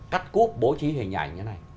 cắt cúp bố trí hình ảnh như thế này